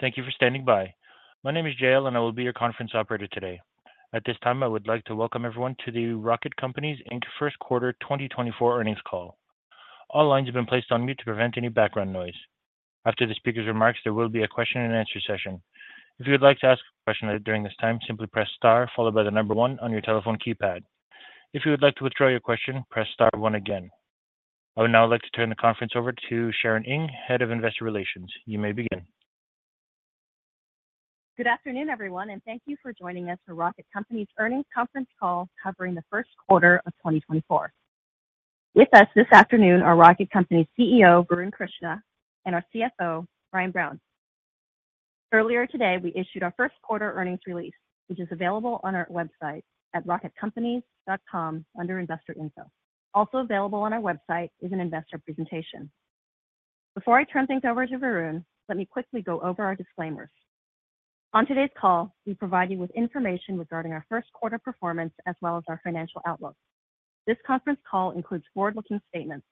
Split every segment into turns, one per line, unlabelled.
Thank you for standing by. My name is Jayl, and I will be your conference operator today. At this time, I would like to welcome everyone to the Rocket Companies Inc. first quarter 2024 earnings call. All lines have been placed on mute to prevent any background noise. After the speaker's remarks, there will be a question-and-answer session. If you would like to ask a question during this time, simply press * followed by the number 1 on your telephone keypad. If you would like to withdraw your question, press * 1 again. I would now like to turn the conference over to Sharon Ng, Head of Investor Relations. You may begin.
Good afternoon, everyone, and thank you for joining us for Rocket Companies' earnings conference call covering the first quarter of 2024. With us this afternoon are Rocket Companies CEO Varun Krishna and our CFO Brian Brown. Earlier today, we issued our first quarter earnings release, which is available on our website at rocketcompanies.com under Investor Info. Also available on our website is an investor presentation. Before I turn things over to Varun, let me quickly go over our disclaimers. On today's call, we provide you with information regarding our first quarter performance as well as our financial outlook. This conference call includes forward-looking statements.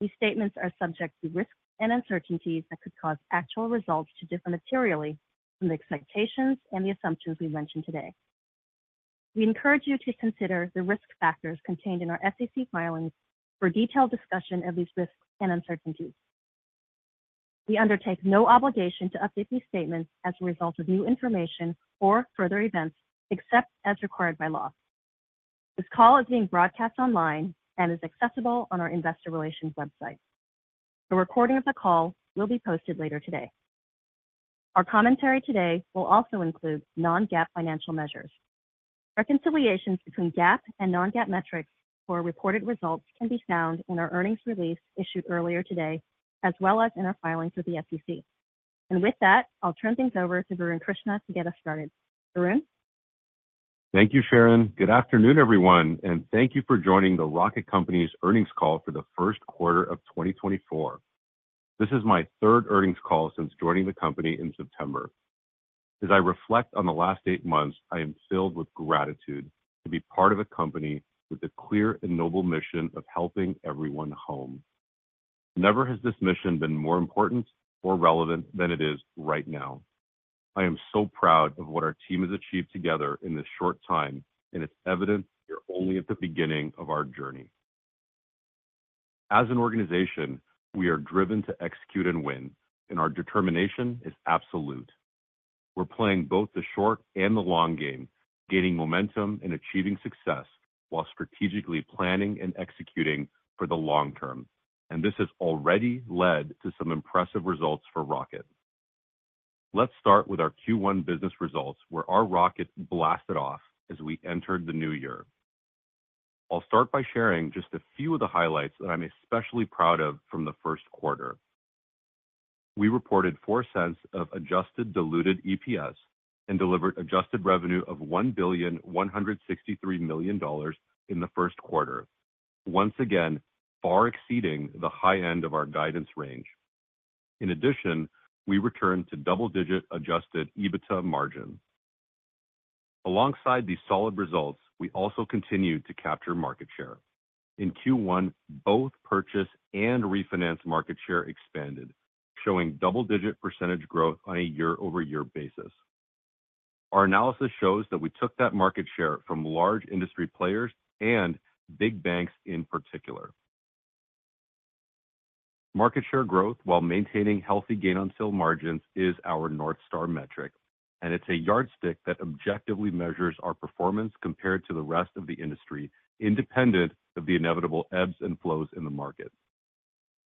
These statements are subject to risks and uncertainties that could cause actual results to differ materially from the expectations and the assumptions we mentioned today. We encourage you to consider the risk factors contained in our SEC filings for detailed discussion of these risks and uncertainties. We undertake no obligation to update these statements as a result of new information or further events, except as required by law. This call is being broadcast online and is accessible on our investor relations website. A recording of the call will be posted later today. Our commentary today will also include non-GAAP financial measures. Reconciliations between GAAP and non-GAAP metrics for reported results can be found in our earnings release issued earlier today, as well as in our filings with the SEC. With that, I'll turn things over to Varun Krishna to get us started. Varun?
Thank you, Sharon. Good afternoon, everyone, and thank you for joining the Rocket Companies' earnings call for the first quarter of 2024. This is my third earnings call since joining the company in September. As I reflect on the last eight months, I am filled with gratitude to be part of a company with the clear and noble mission of helping everyone home. Never has this mission been more important or relevant than it is right now. I am so proud of what our team has achieved together in this short time, and it's evident we're only at the beginning of our journey. As an organization, we are driven to execute and win, and our determination is absolute. We're playing both the short and the long game, gaining momentum and achieving success while strategically planning and executing for the long term, and this has already led to some impressive results for Rocket. Let's start with our Q1 business results, where our Rocket blasted off as we entered the new year. I'll start by sharing just a few of the highlights that I'm especially proud of from the first quarter. We reported $0.04 adjusted diluted EPS and delivered adjusted revenue of $1,163 million in the first quarter, once again far exceeding the high end of our guidance range. In addition, we returned to double-digit adjusted EBITDA margin. Alongside these solid results, we also continued to capture market share. In Q1, both purchase and refinance market share expanded, showing double-digit % growth on a year-over-year basis. Our analysis shows that we took that market share from large industry players and big banks in particular. Market share growth while maintaining healthy gain-on-sale margins is our North Star metric, and it's a yardstick that objectively measures our performance compared to the rest of the industry, independent of the inevitable ebbs and flows in the market.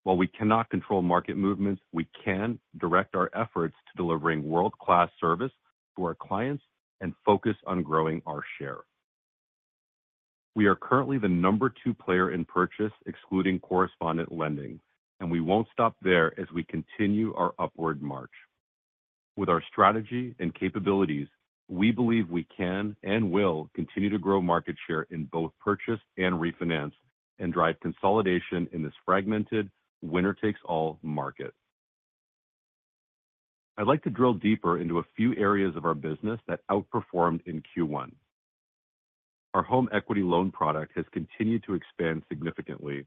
While we cannot control market movements, we can direct our efforts to delivering world-class service to our clients and focus on growing our share. We are currently the number two player in purchase, excluding correspondent lending, and we won't stop there as we continue our upward march. With our strategy and capabilities, we believe we can and will continue to grow market share in both purchase and refinance and drive consolidation in this fragmented, winner-takes-all market. I'd like to drill deeper into a few areas of our business that outperformed in Q1. Our home equity loan product has continued to expand significantly,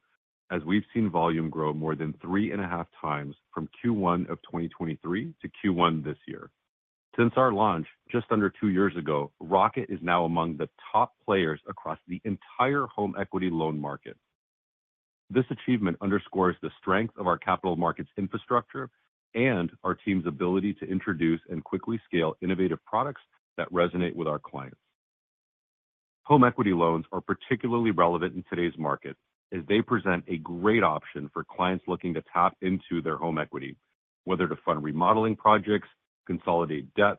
as we've seen volume grow more than 3.5 times from Q1 of 2023 to Q1 this year. Since our launch just under two years ago, Rocket is now among the top players across the entire home equity loan market. This achievement underscores the strength of our capital markets infrastructure and our team's ability to introduce and quickly scale innovative products that resonate with our clients. Home equity loans are particularly relevant in today's market, as they present a great option for clients looking to tap into their home equity, whether to fund remodeling projects, consolidate debt,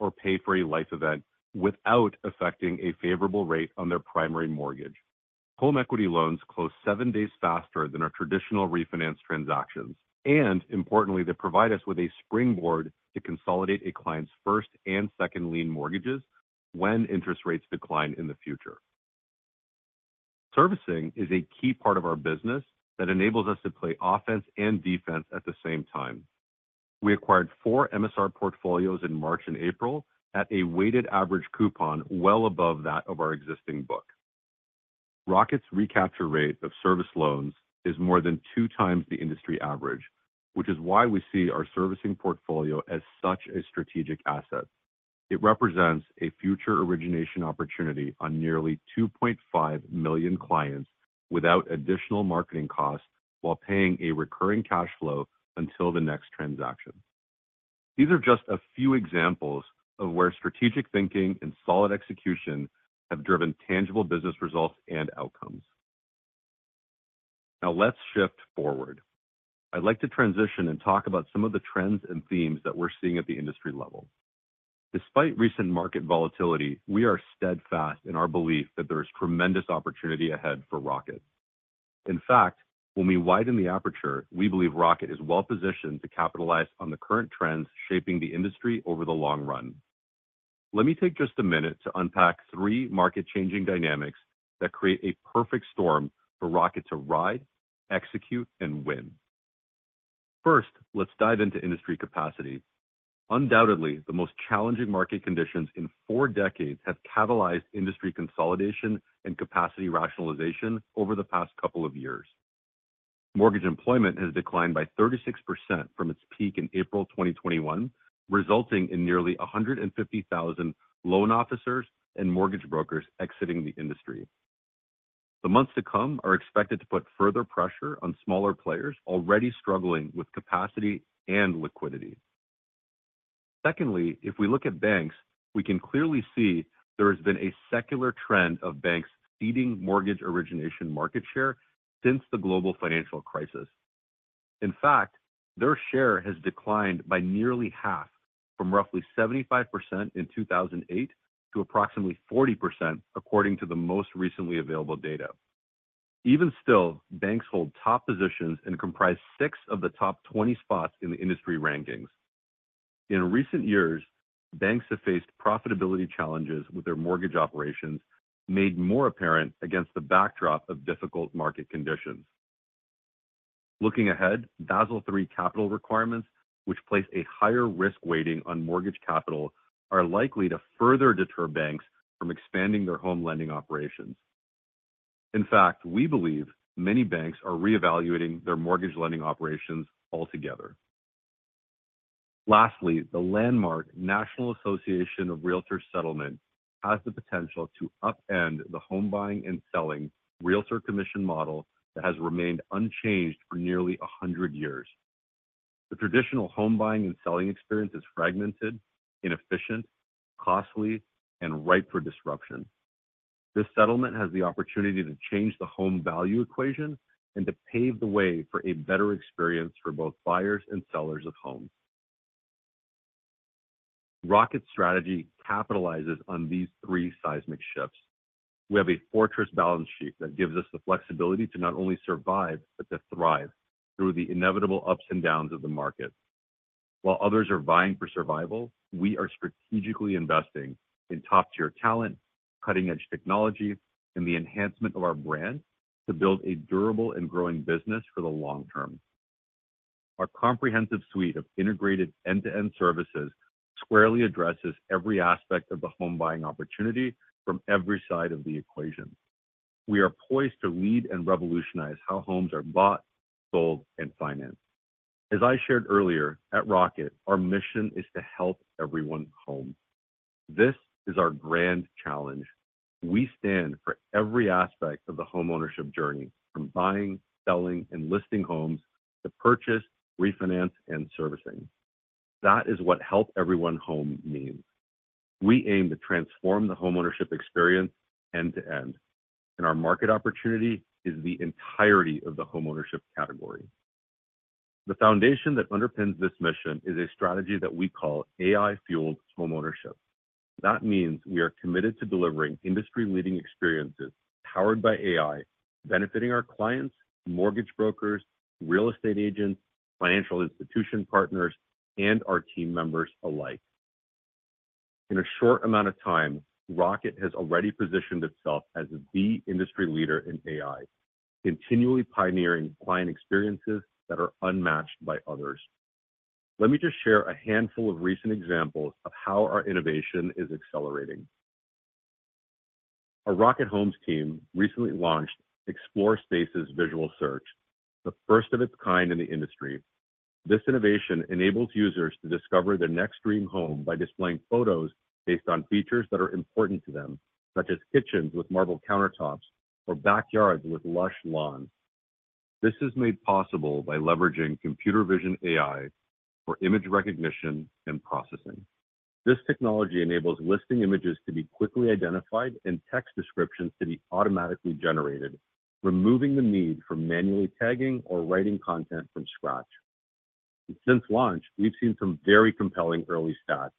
or pay for a life event without affecting a favorable rate on their primary mortgage. Home equity loans close seven days faster than our traditional refinance transactions, and importantly, they provide us with a springboard to consolidate a client's first and second lien mortgages when interest rates decline in the future. Servicing is a key part of our business that enables us to play offense and defense at the same time. We acquired four MSR portfolios in March and April at a weighted average coupon well above that of our existing book. Rocket's recapture rate of serviced loans is more than two times the industry average, which is why we see our servicing portfolio as such a strategic asset. It represents a future origination opportunity on nearly 2.5 million clients without additional marketing costs while paying a recurring cash flow until the next transaction. These are just a few examples of where strategic thinking and solid execution have driven tangible business results and outcomes. Now let's shift forward. I'd like to transition and talk about some of the trends and themes that we're seeing at the industry level. Despite recent market volatility, we are steadfast in our belief that there is tremendous opportunity ahead for Rocket. In fact, when we widen the aperture, we believe Rocket is well positioned to capitalize on the current trends shaping the industry over the long run. Let me take just a minute to unpack three market-changing dynamics that create a perfect storm for Rocket to ride, execute, and win. First, let's dive into industry capacity. Undoubtedly, the most challenging market conditions in four decades have catalyzed industry consolidation and capacity rationalization over the past couple of years. Mortgage employment has declined by 36% from its peak in April 2021, resulting in nearly 150,000 loan officers and mortgage brokers exiting the industry. The months to come are expected to put further pressure on smaller players already struggling with capacity and liquidity. Secondly, if we look at banks, we can clearly see there has been a secular trend of banks feeding mortgage origination market share since the global financial crisis. In fact, their share has declined by nearly half from roughly 75% in 2008 to approximately 40% according to the most recently available data. Even still, banks hold top positions and comprise six of the top 20 spots in the industry rankings. In recent years, banks have faced profitability challenges with their mortgage operations, made more apparent against the backdrop of difficult market conditions. Looking ahead, Basel III capital requirements, which place a higher risk weighting on mortgage capital, are likely to further deter banks from expanding their home lending operations. In fact, we believe many banks are reevaluating their mortgage lending operations altogether. Lastly, the landmark National Association of Realtors settlement has the potential to upend the home buying and selling realtor commission model that has remained unchanged for nearly 100 years. The traditional home buying and selling experience is fragmented, inefficient, costly, and ripe for disruption. This settlement has the opportunity to change the home value equation and to pave the way for a better experience for both buyers and sellers of homes. Rocket's strategy capitalizes on these three seismic shifts. We have a fortress balance sheet that gives us the flexibility to not only survive but to thrive through the inevitable ups and downs of the market. While others are vying for survival, we are strategically investing in top-tier talent, cutting-edge technology, and the enhancement of our brand to build a durable and growing business for the long term. Our comprehensive suite of integrated end-to-end services squarely addresses every aspect of the home buying opportunity from every side of the equation. We are poised to lead and revolutionize how homes are bought, sold, and financed. As I shared earlier, at Rocket, our mission is to help everyone home. This is our grand challenge. We stand for every aspect of the homeownership journey, from buying, selling, and listing homes to purchase, refinance, and servicing. That is what help everyone home means. We aim to transform the homeownership experience end-to-end, and our market opportunity is the entirety of the homeownership category. The foundation that underpins this mission is a strategy that we call AI-fueled homeownership. That means we are committed to delivering industry-leading experiences powered by AI, benefiting our clients, mortgage brokers, real estate agents, financial institution partners, and our team members alike. In a short amount of time, Rocket has already positioned itself as the industry leader in AI, continually pioneering client experiences that are unmatched by others. Let me just share a handful of recent examples of how our innovation is accelerating. Our Rocket Homes team recently launched Explore Spaces' visual search, the first of its kind in the industry. This innovation enables users to discover their next dream home by displaying photos based on features that are important to them, such as kitchens with marble countertops or backyards with lush lawns. This is made possible by leveraging computer vision AI for image recognition and processing. This technology enables listing images to be quickly identified and text descriptions to be automatically generated, removing the need for manually tagging or writing content from scratch. Since launch, we've seen some very compelling early stats: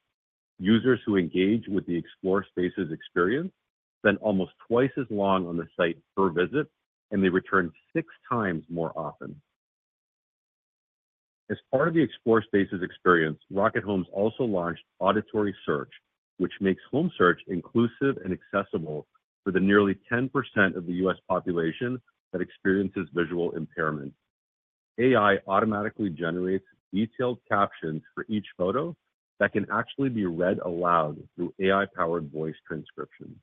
users who engage with the Explore Spaces' experience spend almost twice as long on the site per visit, and they return six times more often. As part of the Explore Spaces' experience, Rocket Homes also launched auditory search, which makes home search inclusive and accessible for the nearly 10% of the U.S. population that experiences visual impairment. AI automatically generates detailed captions for each photo that can actually be read aloud through AI-powered voice transcription.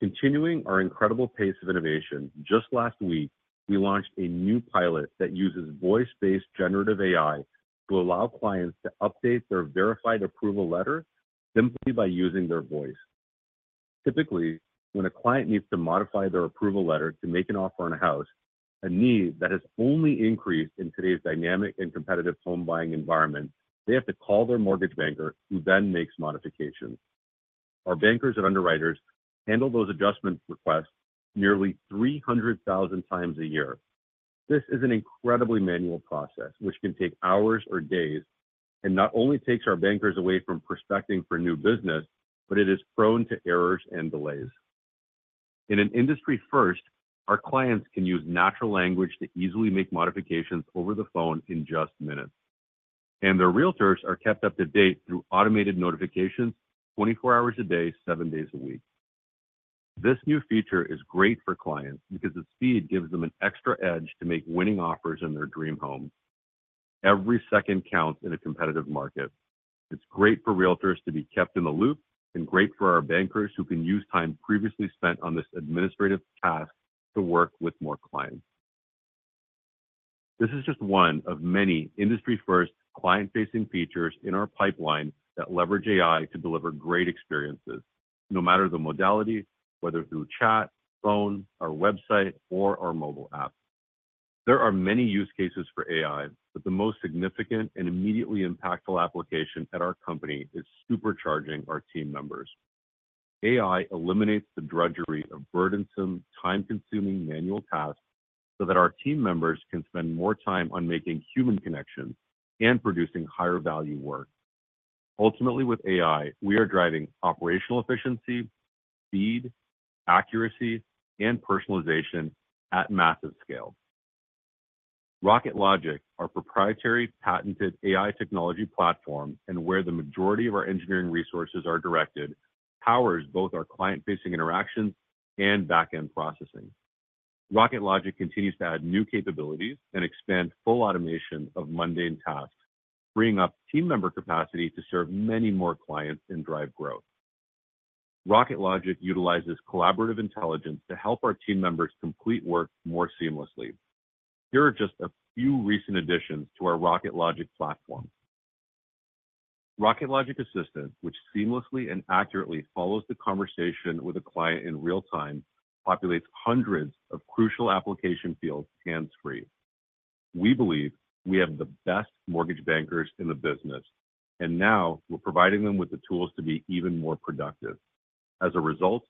Continuing our incredible pace of innovation, just last week we launched a new pilot that uses voice-based generative AI to allow clients to update their verified approval letter simply by using their voice. Typically, when a client needs to modify their approval letter to make an offer on a house, a need that has only increased in today's dynamic and competitive home buying environment, they have to call their mortgage banker, who then makes modifications. Our bankers and underwriters handle those adjustments requests nearly 300,000 times a year. This is an incredibly manual process, which can take hours or days and not only takes our bankers away from prospecting for new business, but it is prone to errors and delays. In an industry first, our clients can use natural language to easily make modifications over the phone in just minutes, and their realtors are kept up to date through automated notifications 24 hours a day, seven days a week. This new feature is great for clients because its speed gives them an extra edge to make winning offers on their dream home. Every second counts in a competitive market. It's great for realtors to be kept in the loop and great for our bankers, who can use time previously spent on this administrative task to work with more clients. This is just one of many industry-first, client-facing features in our pipeline that leverage AI to deliver great experiences, no matter the modality, whether through chat, phone, our website, or our mobile app. There are many use cases for AI, but the most significant and immediately impactful application at our company is supercharging our team members. AI eliminates the drudgery of burdensome, time-consuming manual tasks so that our team members can spend more time on making human connections and producing higher-value work. Ultimately, with AI, we are driving operational efficiency, speed, accuracy, and personalization at massive scale. Rocket Logic, our proprietary patented AI technology platform and where the majority of our engineering resources are directed, powers both our client-facing interactions and backend processing. Rocket Logic continues to add new capabilities and expand full automation of mundane tasks, freeing up team member capacity to serve many more clients and drive growth. Rocket Logic utilizes collaborative intelligence to help our team members complete work more seamlessly. Here are just a few recent additions to our Rocket Logic platform. Rocket Logic Assistant, which seamlessly and accurately follows the conversation with a client in real time, populates hundreds of crucial application fields hands-free. We believe we have the best mortgage bankers in the business, and now we're providing them with the tools to be even more productive. As a result,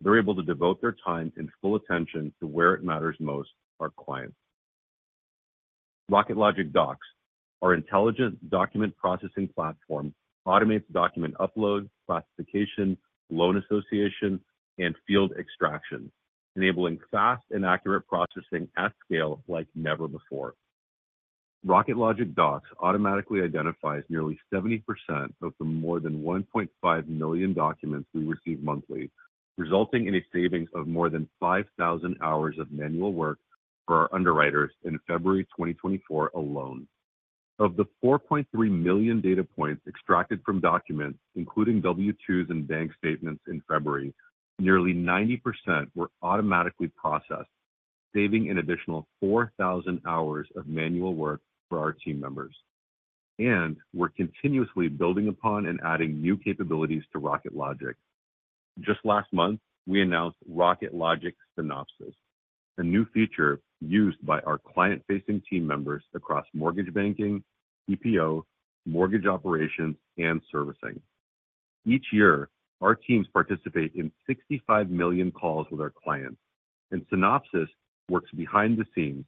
they're able to devote their time and full attention to where it matters most: our clients. Rocket Logic Docs, our intelligent document processing platform, automates document upload, classification, loan association, and field extraction, enabling fast and accurate processing at scale like never before. Rocket Logic Docs automatically identifies nearly 70% of the more than 1.5 million documents we receive monthly, resulting in a savings of more than 5,000 hours of manual work for our underwriters in February 2024 alone. Of the 4.3 million data points extracted from documents, including W-2s and bank statements in February, nearly 90% were automatically processed, saving an additional 4,000 hours of manual work for our team members. And we're continuously building upon and adding new capabilities to Rocket Logic. Just last month, we announced Rocket Logic Synopsis, a new feature used by our client-facing team members across mortgage banking, EPO, mortgage operations, and servicing. Each year, our teams participate in 65 million calls with our clients, and Rocket Logic Synopsis works behind the scenes,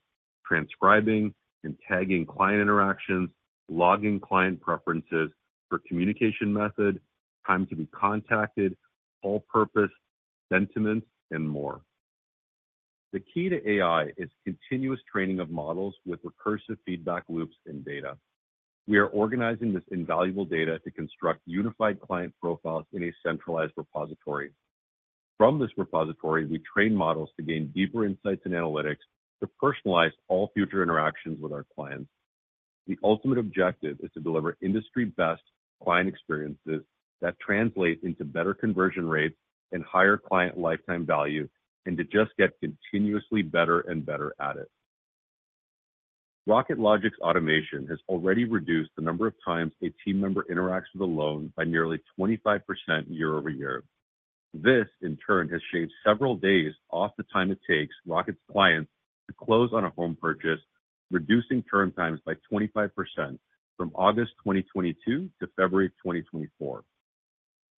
transcribing and tagging client interactions, logging client preferences for communication method, time to be contacted, call purpose, sentiments, and more. The key to AI is continuous training of models with recursive feedback loops and data. We are organizing this invaluable data to construct unified client profiles in a centralized repository. From this repository, we train models to gain deeper insights and analytics to personalize all future interactions with our clients. The ultimate objective is to deliver industry-best client experiences that translate into better conversion rates and higher client lifetime value, and to just get continuously better and better at it. Rocket Logic's automation has already reduced the number of times a team member interacts with a loan by nearly 25% year-over-year. This, in turn, has shaved several days off the time it takes Rocket's clients to close on a home purchase, reducing turn times by 25% from August 2022 to February 2024.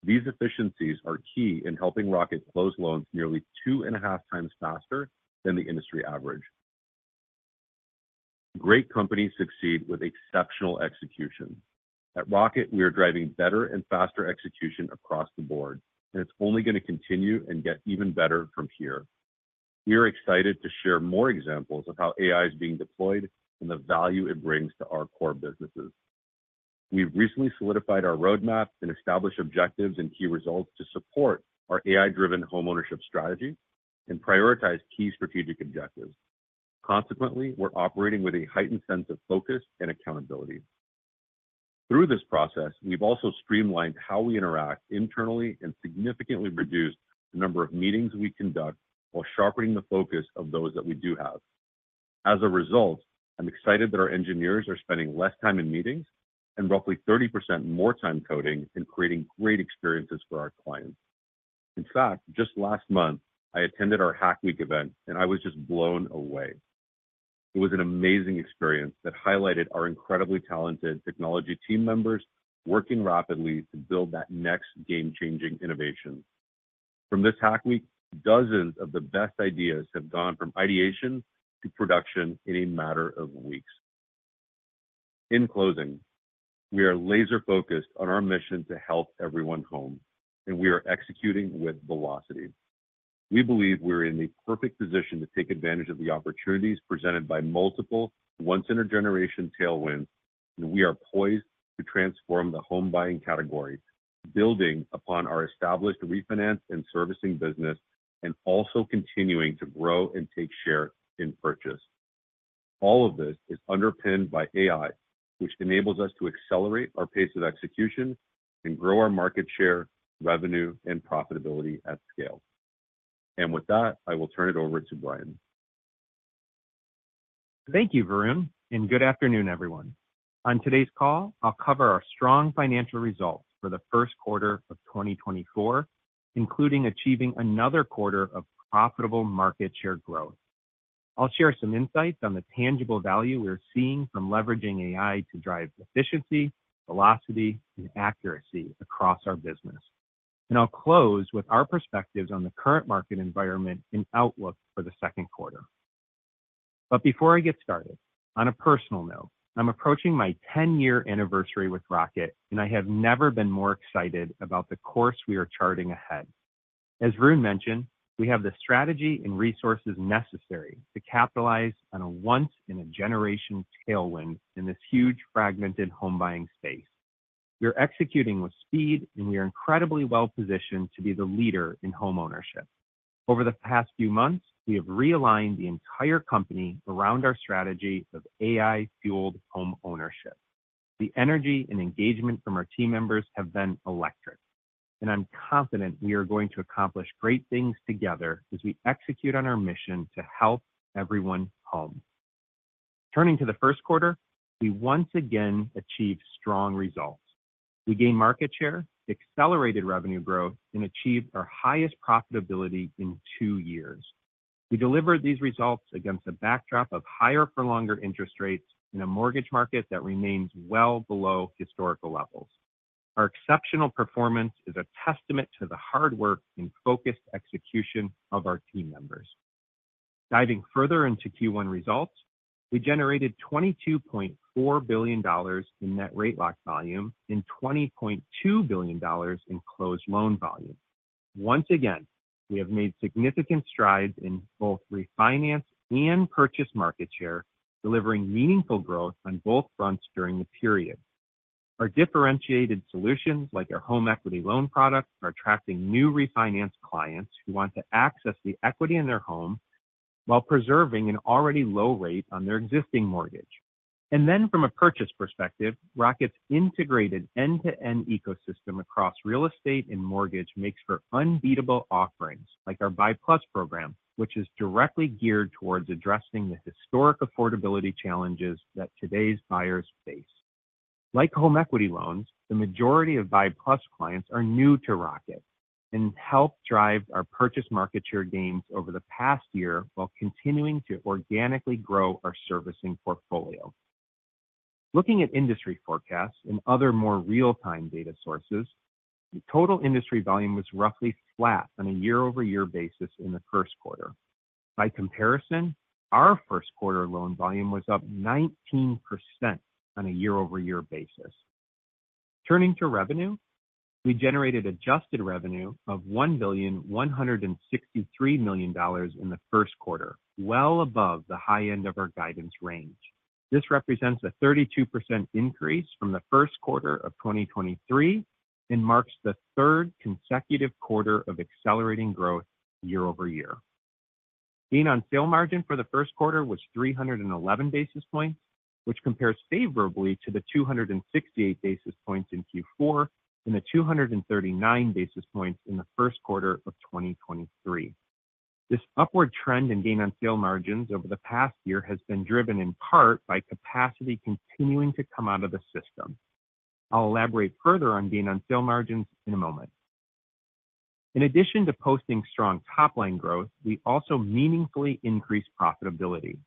These efficiencies are key in helping Rocket close loans nearly 2.5 times faster than the industry average. Great companies succeed with exceptional execution. At Rocket, we are driving better and faster execution across the board, and it's only going to continue and get even better from here. We are excited to share more examples of how AI is being deployed and the value it brings to our core businesses. We've recently solidified our roadmap and established objectives and key results to support our AI-driven homeownership strategy and prioritize key strategic objectives. Consequently, we're operating with a heightened sense of focus and accountability. Through this process, we've also streamlined how we interact internally and significantly reduced the number of meetings we conduct while sharpening the focus of those that we do have. As a result, I'm excited that our engineers are spending less time in meetings and roughly 30% more time coding and creating great experiences for our clients. In fact, just last month, I attended our Hack Week event, and I was just blown away. It was an amazing experience that highlighted our incredibly talented technology team members working rapidly to build that next game-changing innovation. From this Hack Week, dozens of the best ideas have gone from ideation to production in a matter of weeks. In closing, we are laser-focused on our mission to help everyone home, and we are executing with velocity. We believe we're in the perfect position to take advantage of the opportunities presented by multiple once-in-a-generation tailwinds, and we are poised to transform the home buying category, building upon our established refinance and servicing business and also continuing to grow and take share in purchase. All of this is underpinned by AI, which enables us to accelerate our pace of execution and grow our market share, revenue, and profitability at scale. With that, I will turn it over to Brian.
Thank you, Varun, and good afternoon, everyone. On today's call, I'll cover our strong financial results for the first quarter of 2024, including achieving another quarter of profitable market share growth. I'll share some insights on the tangible value we're seeing from leveraging AI to drive efficiency, velocity, and accuracy across our business. I'll close with our perspectives on the current market environment and outlook for the second quarter. Before I get started, on a personal note, I'm approaching my 10-year anniversary with Rocket, and I have never been more excited about the course we are charting ahead. As Varun mentioned, we have the strategy and resources necessary to capitalize on a once-in-a-generation tailwind in this huge fragmented home buying space. We are executing with speed, and we are incredibly well-positioned to be the leader in homeownership. Over the past few months, we have realigned the entire company around our strategy of AI-fueled homeownership. The energy and engagement from our team members have been electric, and I'm confident we are going to accomplish great things together as we execute on our mission to help everyone home. Turning to the first quarter, we once again achieved strong results. We gained market share, accelerated revenue growth, and achieved our highest profitability in two years. We delivered these results against a backdrop of higher-for-longer interest rates and a mortgage market that remains well below historical levels. Our exceptional performance is a testament to the hard work and focused execution of our team members. Diving further into Q1 results, we generated $22.4 billion in net rate lock volume and $20.2 billion in closed loan volume. Once again, we have made significant strides in both refinance and purchase market share, delivering meaningful growth on both fronts during the period. Our differentiated solutions, like our home equity loan product, are attracting new refinance clients who want to access the equity in their home while preserving an already low rate on their existing mortgage. And then, from a purchase perspective, Rocket's integrated end-to-end ecosystem across real estate and mortgage makes for unbeatable offerings, like our BUY+ program, which is directly geared towards addressing the historic affordability challenges that today's buyers face. Like home equity loans, the majority of BUY+ clients are new to Rocket and helped drive our purchase market share gains over the past year while continuing to organically grow our servicing portfolio. Looking at industry forecasts and other more real-time data sources, the total industry volume was roughly flat on a year-over-year basis in the first quarter. By comparison, our first quarter loan volume was up 19% on a year-over-year basis. Turning to revenue, we generated adjusted revenue of $1,163 million in the first quarter, well above the high end of our guidance range. This represents a 32% increase from the first quarter of 2023 and marks the third consecutive quarter of accelerating growth year-over-year. gain on sale margin for the first quarter was 311 basis points, which compares favorably to the 268 basis points in Q4 and the 239 basis points in the first quarter of 2023. This upward trend in gain on sale margins over the past year has been driven in part by capacity continuing to come out of the system. I'll elaborate further on gain on sale margins in a moment. In addition to posting strong top-line growth, we also meaningfully increased profitability.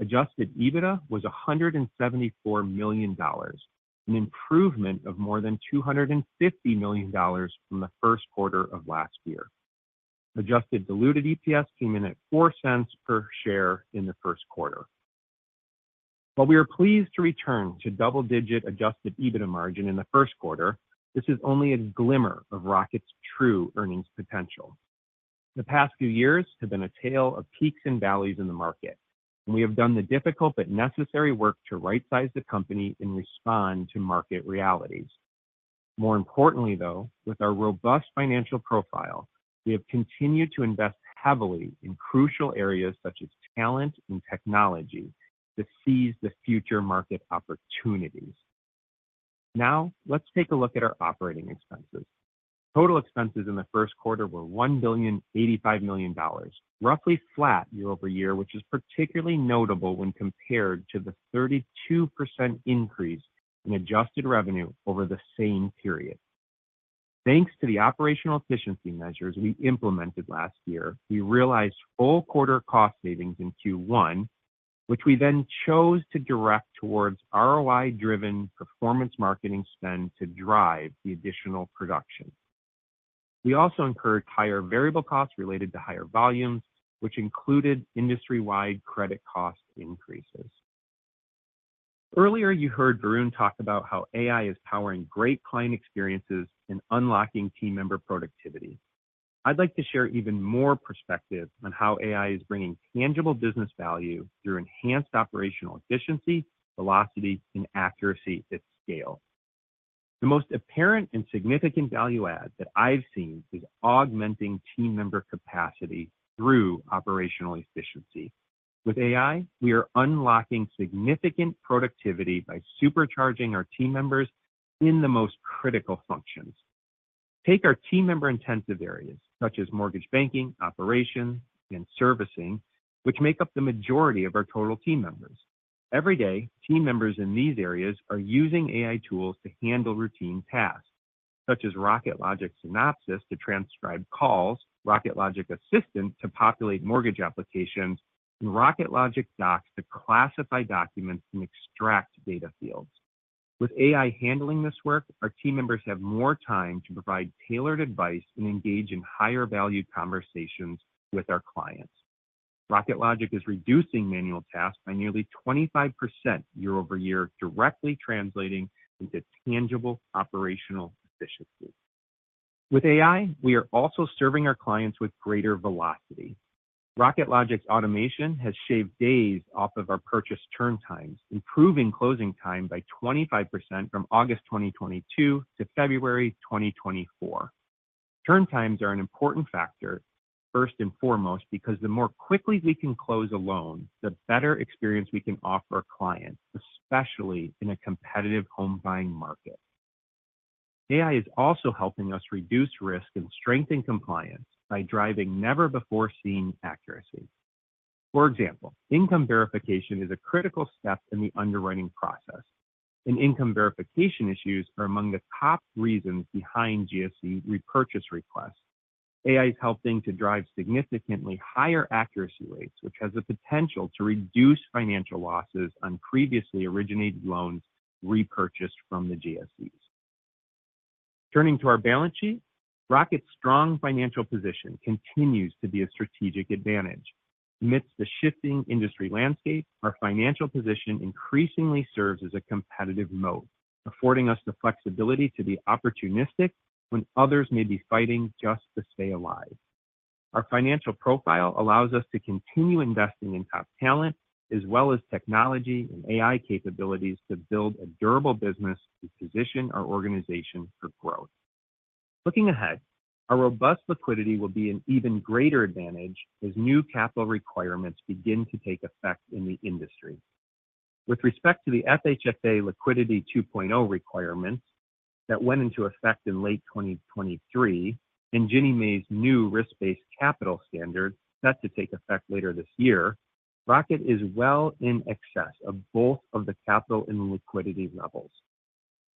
Adjusted EBITDA was $174 million, an improvement of more than $250 million from the first quarter of last year. Adjusted diluted EPS came in at $0.04 per share in the first quarter. While we are pleased to return to double-digit adjusted EBITDA margin in the first quarter, this is only a glimmer of Rocket's true earnings potential. The past few years have been a tale of peaks and valleys in the market, and we have done the difficult but necessary work to right-size the company and respond to market realities. More importantly, though, with our robust financial profile, we have continued to invest heavily in crucial areas such as talent and technology to seize the future market opportunities. Now, let's take a look at our operating expenses. Total expenses in the first quarter were $1,085 million, roughly flat year-over-year, which is particularly notable when compared to the 32% increase in adjusted revenue over the same period. Thanks to the operational efficiency measures we implemented last year, we realized full quarter cost savings in Q1, which we then chose to direct towards ROI-driven performance marketing spend to drive the additional production. We also encouraged higher variable costs related to higher volumes, which included industry-wide credit cost increases. Earlier, you heard Varun talk about how AI is powering great client experiences and unlocking team member productivity. I'd like to share even more perspective on how AI is bringing tangible business value through enhanced operational efficiency, velocity, and accuracy at scale. The most apparent and significant value add that I've seen is augmenting team member capacity through operational efficiency. With AI, we are unlocking significant productivity by supercharging our team members in the most critical functions. Take our team member-intensive areas such as mortgage banking, operations, and servicing, which make up the majority of our total team members. Every day, team members in these areas are using AI tools to handle routine tasks, such as Rocket Logic Synopsis to transcribe calls, Rocket Logic Assistant to populate mortgage applications, and Rocket Logic Docs to classify documents and extract data fields. With AI handling this work, our team members have more time to provide tailored advice and engage in higher-value conversations with our clients. Rocket Logic is reducing manual tasks by nearly 25% year-over-year, directly translating into tangible operational efficiency. With AI, we are also serving our clients with greater velocity. Rocket Logic's automation has shaved days off of our purchase turn times, improving closing time by 25% from August 2022 to February 2024. Turn times are an important factor, first and foremost, because the more quickly we can close a loan, the better experience we can offer our clients, especially in a competitive home buying market. AI is also helping us reduce risk and strengthen compliance by driving never-before-seen accuracy. For example, income verification is a critical step in the underwriting process, and income verification issues are among the top reasons behind GSE repurchase requests. AI is helping to drive significantly higher accuracy rates, which has the potential to reduce financial losses on previously originated loans repurchased from the GSEs. Turning to our balance sheet, Rocket's strong financial position continues to be a strategic advantage. Amidst the shifting industry landscape, our financial position increasingly serves as a competitive moat, affording us the flexibility to be opportunistic when others may be fighting just to stay alive. Our financial profile allows us to continue investing in top talent as well as technology and AI capabilities to build a durable business and position our organization for growth. Looking ahead, our robust liquidity will be an even greater advantage as new capital requirements begin to take effect in the industry. With respect to the FHFA Liquidity 2.0 requirements that went into effect in late 2023 and Ginnie Mae's new risk-based capital standard set to take effect later this year, Rocket is well in excess of both of the capital and liquidity levels.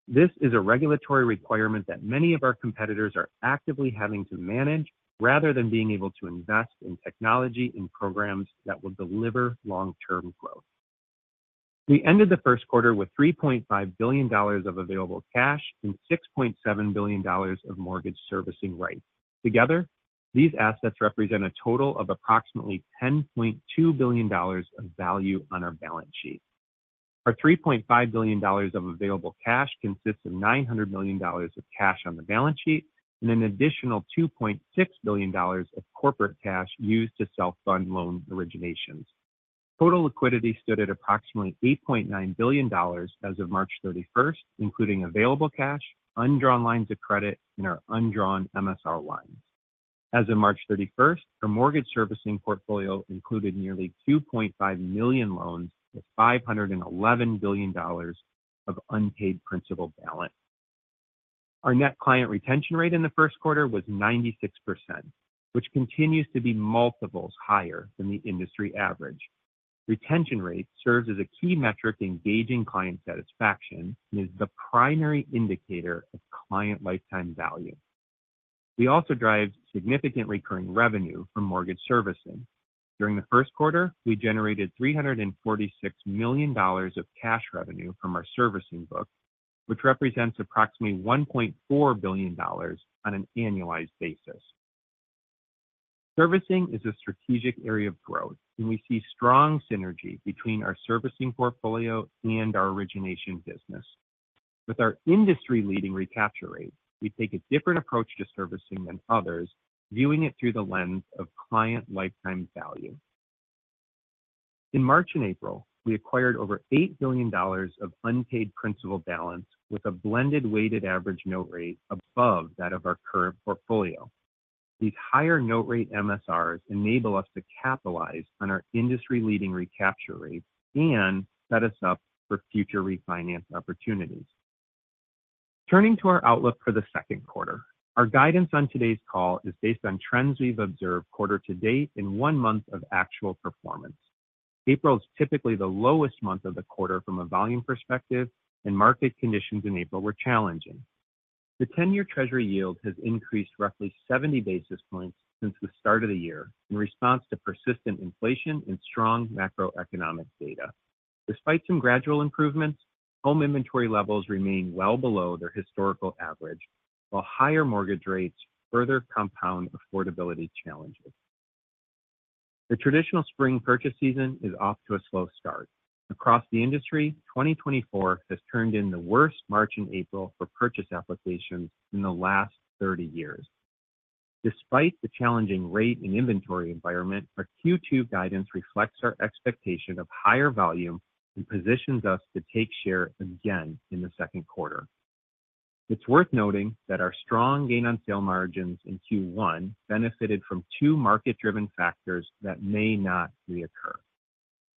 This is a regulatory requirement that many of our competitors are actively having to manage rather than being able to invest in technology and programs that will deliver long-term growth. We ended the first quarter with $3.5 billion of available cash and $6.7 billion of mortgage servicing rights. Together, these assets represent a total of approximately $10.2 billion of value on our balance sheet. Our $3.5 billion of available cash consists of $900 million of cash on the balance sheet and an additional $2.6 billion of corporate cash used to self-fund loan originations. Total liquidity stood at approximately $8.9 billion as of March 31st, including available cash, undrawn lines of credit, and our undrawn MSR lines. As of March 31st, our mortgage servicing portfolio included nearly 2.5 million loans with $511 billion of unpaid principal balance. Our net client retention rate in the first quarter was 96%, which continues to be multiples higher than the industry average. Retention rate serves as a key metric engaging client satisfaction and is the primary indicator of client lifetime value. We also drive significant recurring revenue from mortgage servicing. During the first quarter, we generated $346 million of cash revenue from our servicing books, which represents approximately $1.4 billion on an annualized basis. Servicing is a strategic area of growth, and we see strong synergy between our servicing portfolio and our origination business. With our industry-leading recapture rate, we take a different approach to servicing than others, viewing it through the lens of client lifetime value. In March and April, we acquired over $8 billion of unpaid principal balance with a blended weighted average note rate above that of our current portfolio. These higher note rate MSRs enable us to capitalize on our industry-leading recapture rate and set us up for future refinance opportunities. Turning to our outlook for the second quarter, our guidance on today's call is based on trends we've observed quarter to date in one month of actual performance. April is typically the lowest month of the quarter from a volume perspective, and market conditions in April were challenging. The 10-year Treasury yield has increased roughly 70 basis points since the start of the year in response to persistent inflation and strong macroeconomic data. Despite some gradual improvements, home inventory levels remain well below their historical average, while higher mortgage rates further compound affordability challenges. The traditional spring purchase season is off to a slow start. Across the industry, 2024 has turned in the worst March and April for purchase applications in the last 30 years. Despite the challenging rate and inventory environment, our Q2 guidance reflects our expectation of higher volume and positions us to take share again in the second quarter. It's worth noting that our strong gain on sale margins in Q1 benefited from two market-driven factors that may not reoccur.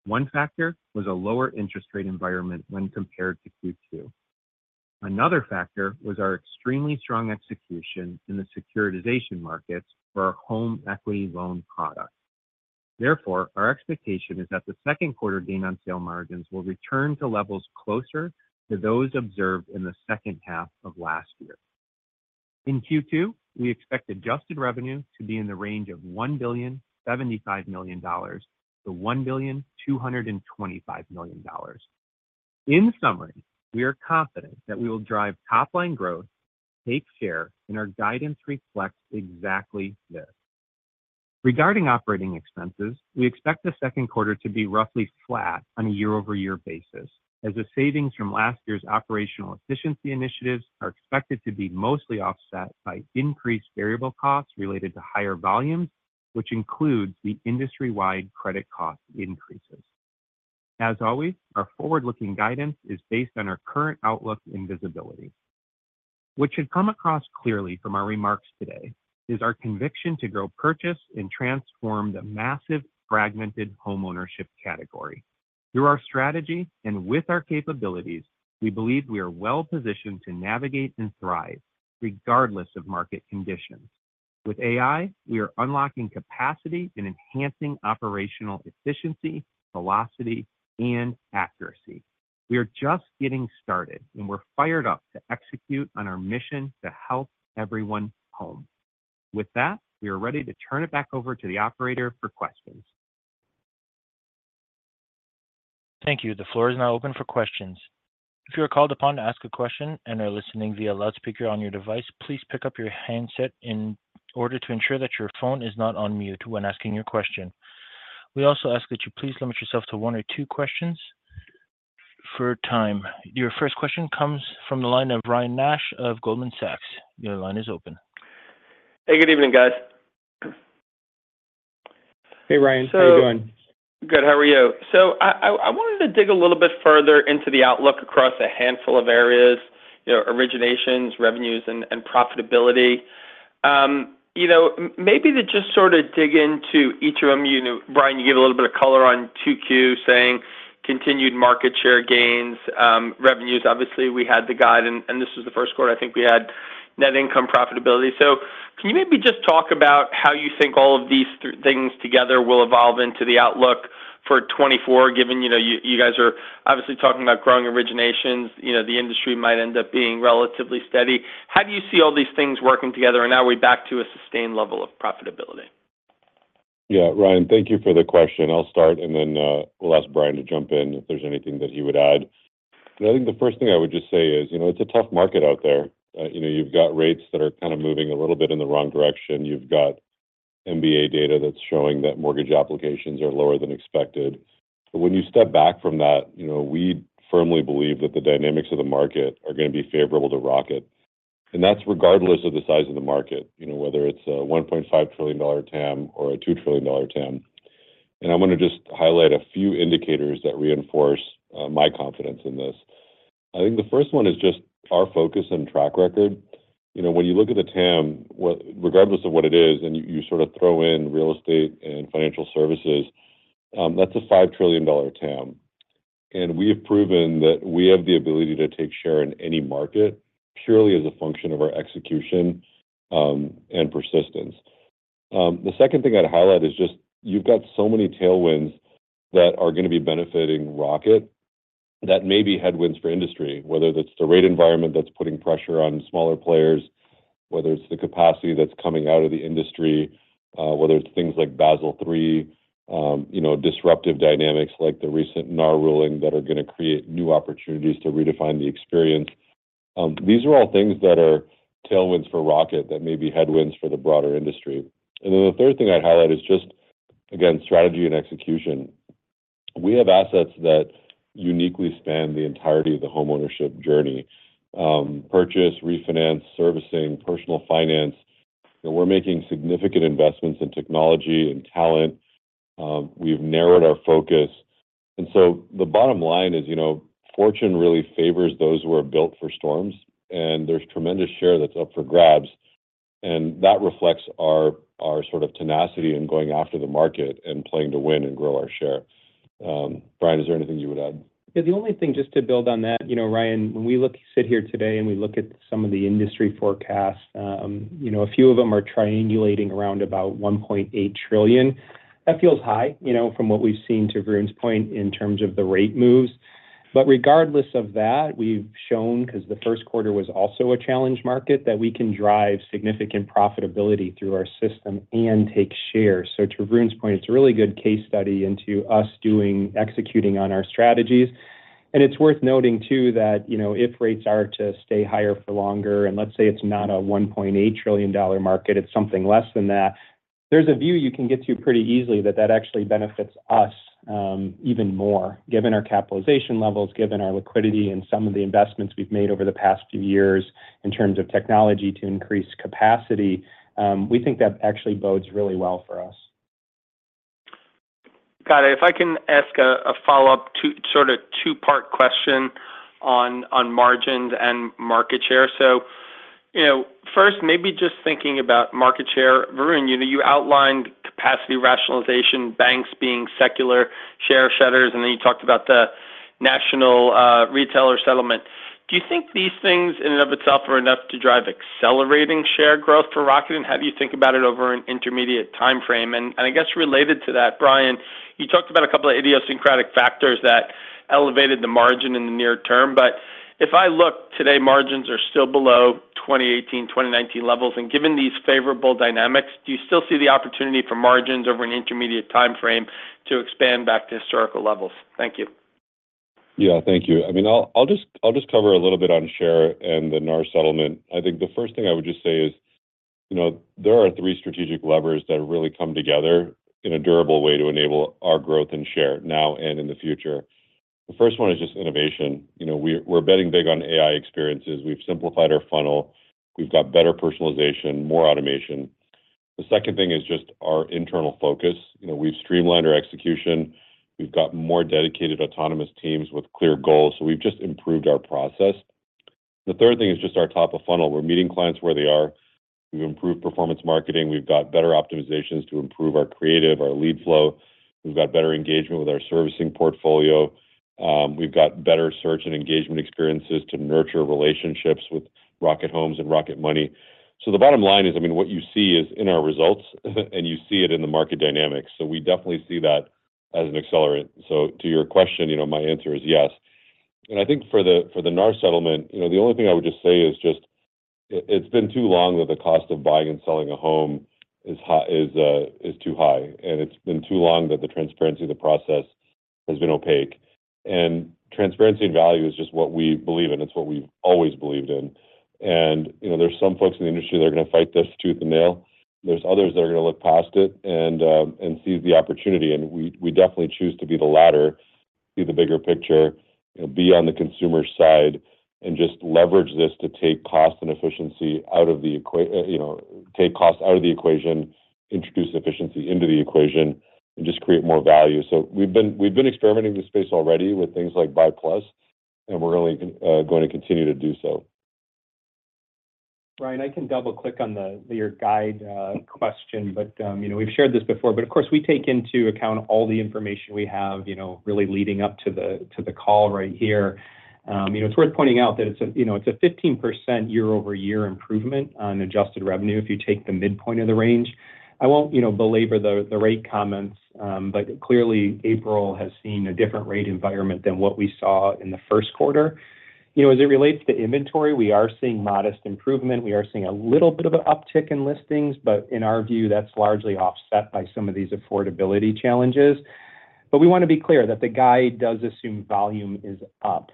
One factor was a lower interest rate environment when compared to Q2. Another factor was our extremely strong execution in the securitization markets for our home equity loan product. Therefore, our expectation is that the second quarter gain on sale margins will return to levels closer to those observed in the second half of last year. In Q2, we expect adjusted revenue to be in the range of $1.075 million-$1.225 million. In summary, we are confident that we will drive top-line growth, take share, and our guidance reflects exactly this. Regarding operating expenses, we expect the second quarter to be roughly flat on a year-over-year basis, as the savings from last year's operational efficiency initiatives are expected to be mostly offset by increased variable costs related to higher volumes, which includes the industry-wide credit cost increases. As always, our forward-looking guidance is based on our current outlook and visibility. What should come across clearly from our remarks today is our conviction to grow purchase and transform the massive fragmented homeownership category. Through our strategy and with our capabilities, we believe we are well-positioned to navigate and thrive regardless of market conditions. With AI, we are unlocking capacity and enhancing operational efficiency, velocity, and accuracy. We are just getting started, and we're fired up to execute on our mission to help everyone home. With that, we are ready to turn it back over to the operator for questions.
Thank you. The floor is now open for questions. If you are called upon to ask a question and are listening via loudspeaker on your device, please pick up your handset in order to ensure that your phone is not on mute when asking your question. We also ask that you please limit yourself to one or two questions for time. Your first question comes from the line of Ryan Nash of Goldman Sachs. Your line is open.
Hey, good evening, guys.
Hey, Ryan. How are you doing?
Good. How are you? So I wanted to dig a little bit further into the outlook across a handful of areas, originations, revenues, and profitability. Maybe to just sort of dig into each of them. Ryan, you gave a little bit of color on 2Q saying continued market share gains, revenues. Obviously, we had the guide, and this was the first quarter. I think we had net income profitability. So can you maybe just talk about how you think all of these things together will evolve into the outlook for 2024, given you guys are obviously talking about growing originations. The industry might end up being relatively steady. How do you see all these things working together, and are we back to a sustained level of profitability?
Yeah, Ryan, thank you for the question. I'll start, and then we'll ask Brian to jump in if there's anything that he would add. But I think the first thing I would just say is it's a tough market out there. You've got rates that are kind of moving a little bit in the wrong direction. You've got MBA data that's showing that mortgage applications are lower than expected. But when you step back from that, we firmly believe that the dynamics of the market are going to be favorable to Rocket. And that's regardless of the size of the market, whether it's a $1.5 trillion TAM or a $2 trillion TAM. And I want to just highlight a few indicators that reinforce my confidence in this. I think the first one is just our focus and track record. When you look at the TAM, regardless of what it is, and you sort of throw in real estate and financial services, that's a $5 trillion TAM. And we have proven that we have the ability to take share in any market purely as a function of our execution and persistence. The second thing I'd highlight is just you've got so many tailwinds that are going to be benefiting Rocket that may be headwinds for industry, whether that's the rate environment that's putting pressure on smaller players, whether it's the capacity that's coming out of the industry, whether it's things like Basel III, disruptive dynamics like the recent NAR ruling that are going to create new opportunities to redefine the experience. These are all things that are tailwinds for Rocket that may be headwinds for the broader industry. And then the third thing I'd highlight is just, again, strategy and execution. We have assets that uniquely span the entirety of the homeownership journey: purchase, refinance, servicing, personal finance. We're making significant investments in technology and talent. We've narrowed our focus. And so the bottom line is fortune really favors those who are built for storms, and there's tremendous share that's up for grabs. And that reflects our sort of tenacity in going after the market and playing to win and grow our share. Brian, is there anything you would add?
Yeah, the only thing, just to build on that, Ryan, when we sit here today and we look at some of the industry forecasts, a few of them are triangulating around about $1.8 trillion. That feels high from what we've seen, to Varun's point, in terms of the rate moves. But regardless of that, we've shown, because the first quarter was also a challenging market, that we can drive significant profitability through our system and take share. So to Varun's point, it's a really good case study into us executing on our strategies. It's worth noting, too, that if rates are to stay higher for longer, and let's say it's not a $1.8 trillion market, it's something less than that, there's a view you can get to pretty easily that that actually benefits us even more, given our capitalization levels, given our liquidity, and some of the investments we've made over the past few years in terms of technology to increase capacity. We think that actually bodes really well for us.
Got it. If I can ask a follow-up, sort of two-part question on margins and market share. So first, maybe just thinking about market share. Varun, you outlined capacity rationalization, banks being secular share shedders, and then you talked about the national realtor settlement. Do you think these things in and of itself are enough to drive accelerating share growth for Rocket? And how do you think about it over an intermediate time frame? And I guess related to that, Brian, you talked about a couple of idiosyncratic factors that elevated the margin in the near term. But if I look today, margins are still below 2018, 2019 levels. And given these favorable dynamics, do you still see the opportunity for margins over an intermediate time frame to expand back to historical levels? Thank you.
Yeah, thank you. I mean, I'll just cover a little bit on share and the NAR settlement. I think the first thing I would just say is there are three strategic levers that really come together in a durable way to enable our growth in share now and in the future. The first one is just innovation. We're betting big on AI experiences. We've simplified our funnel. We've got better personalization, more automation. The second thing is just our internal focus. We've streamlined our execution. We've got more dedicated autonomous teams with clear goals. So we've just improved our process. The third thing is just our top of funnel. We're meeting clients where they are. We've improved performance marketing. We've got better optimizations to improve our creative, our lead flow. We've got better engagement with our servicing portfolio. We've got better search and engagement experiences to nurture relationships with Rocket Homes and Rocket Money. So the bottom line is, I mean, what you see is in our results, and you see it in the market dynamics. So we definitely see that as an accelerant. So to your question, my answer is yes. And I think for the NAR settlement, the only thing I would just say is just it's been too long that the cost of buying and selling a home is too high. And it's been too long that the transparency of the process has been opaque. And transparency and value is just what we believe in. It's what we've always believed in. And there's some folks in the industry that are going to fight this tooth and nail. There's others that are going to look past it and seize the opportunity. We definitely choose to be the latter, see the bigger picture, be on the consumer side, and just leverage this to take cost and efficiency out of the equation, introduce efficiency into the equation, and just create more value. So we've been experimenting in this space already with things like BuyPlus, and we're only going to continue to do so.
Ryan, I can double-click on your guide question, but we've shared this before. But of course, we take into account all the information we have really leading up to the call right here. It's worth pointing out that it's a 15% year-over-year improvement on adjusted revenue if you take the midpoint of the range. I won't belabor the rate comments, but clearly, April has seen a different rate environment than what we saw in the first quarter. As it relates to inventory, we are seeing modest improvement. We are seeing a little bit of an uptick in listings, but in our view, that's largely offset by some of these affordability challenges. But we want to be clear that the guide does assume volume is up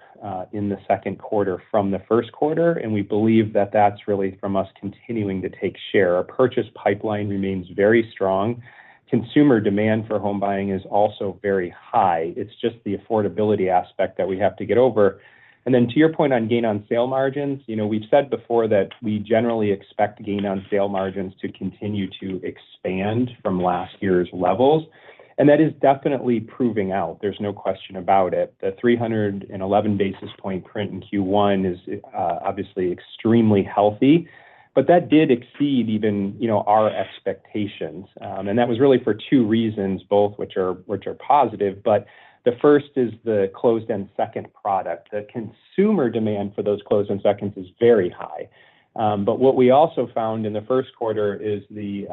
in the second quarter from the first quarter, and we believe that that's really from us continuing to take share. Our purchase pipeline remains very strong. Consumer demand for home buying is also very high. It's just the affordability aspect that we have to get over. And then to your point on gain on sale margins, we've said before that we generally expect gain on sale margins to continue to expand from last year's levels. And that is definitely proving out. There's no question about it. The 311 basis point print in Q1 is obviously extremely healthy, but that did exceed even our expectations. And that was really for two reasons, both which are positive. But the first is the closed-end second product. The consumer demand for those closed-end seconds is very high. But what we also found in the first quarter is the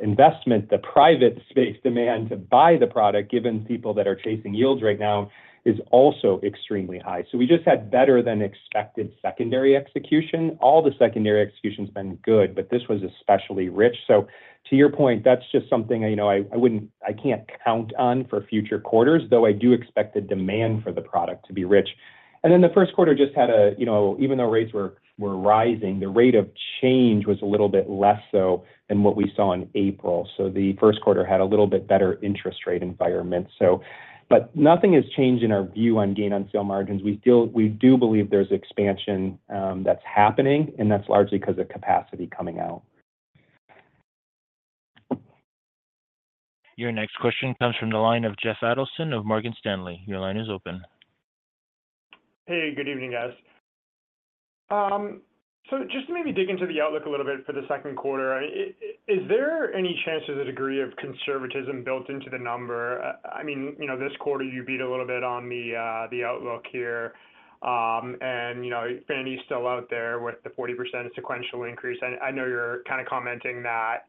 investment, the private space demand to buy the product, given people that are chasing yields right now, is also extremely high. So we just had better-than-expected secondary execution. All the secondary execution's been good, but this was especially rich. So to your point, that's just something I can't count on for future quarters, though I do expect the demand for the product to be rich. And then the first quarter just had, even though rates were rising, the rate of change was a little bit less so than what we saw in April. So the first quarter had a little bit better interest rate environment. But nothing has changed in our view on gain on sale margins. We do believe there's expansion that's happening, and that's largely because of capacity coming out.
Your next question comes from the line of Jeff Adelson of Morgan Stanley. Your line is open.
Hey, good evening, guys. So just to maybe dig into the outlook a little bit for the second quarter, is there any chance there's a degree of conservatism built into the number? I mean, this quarter, you beat a little bit on the outlook here. And Fannie's still out there with the 40% sequential increase. I know you're kind of commenting that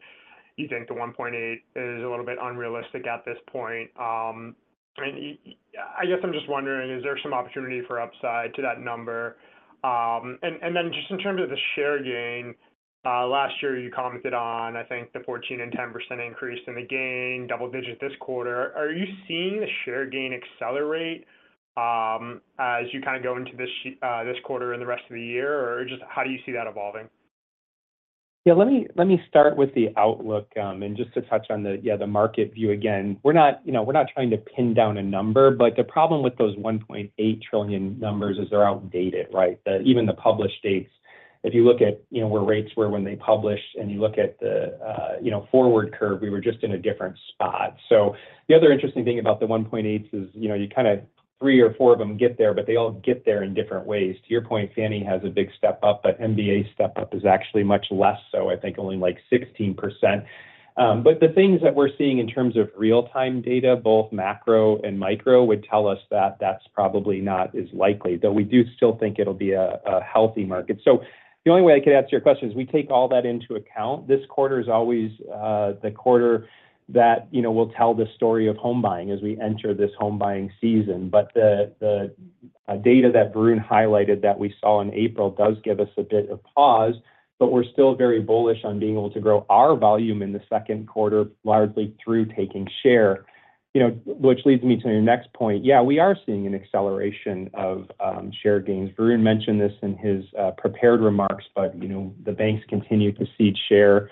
you think the 1.8 is a little bit unrealistic at this point. And I guess I'm just wondering, is there some opportunity for upside to that number? And then just in terms of the share gain, last year, you commented on, I think, the 14% and 10% increase in the gain, double-digit this quarter. Are you seeing the share gain accelerate as you kind of go into this quarter and the rest of the year? Or just how do you see that evolving?
Yeah, let me start with the outlook and just to touch on the market view again. We're not trying to pin down a number, but the problem with those $1.8 trillion numbers is they're outdated, right? Even the published dates, if you look at where rates were when they published and you look at the forward curve, we were just in a different spot. So the other interesting thing about the $1.8s is you kind of three or four of them get there, but they all get there in different ways. To your point, Fannie has a big step up, but MBA step up is actually much less so, I think, only like 16%. But the things that we're seeing in terms of real-time data, both macro and micro, would tell us that that's probably not as likely, though we do still think it'll be a healthy market. The only way I could answer your question is we take all that into account. This quarter is always the quarter that will tell the story of home buying as we enter this home buying season. The data that Varun highlighted that we saw in April does give us a bit of pause, but we're still very bullish on being able to grow our volume in the second quarter, largely through taking share, which leads me to your next point. Yeah, we are seeing an acceleration of share gains. Varun mentioned this in his prepared remarks, but the banks continue to cede share.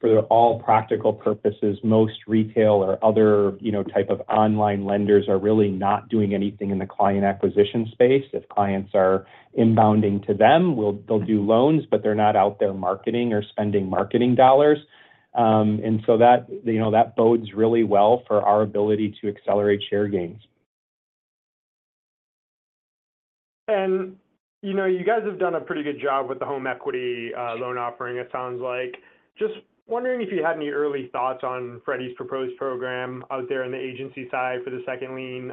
For all practical purposes, most retail or other type of online lenders are really not doing anything in the client acquisition space. If clients are inbounding to them, they'll do loans, but they're not out there marketing or spending marketing dollars. And so that bodes really well for our ability to accelerate share gains.
And you guys have done a pretty good job with the home equity loan offering, it sounds like. Just wondering if you had any early thoughts on Freddie's proposed program out there in the agency side for the second lien.